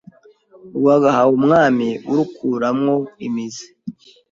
Rwagahawe Umwami urukura mwo imize